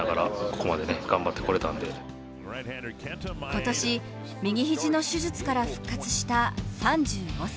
今年、右肘の手術から復活した３５歳。